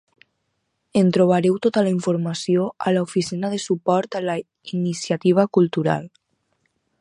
En trobareu tota la informació a l'Oficina de Suport a la Iniciativa Cultural.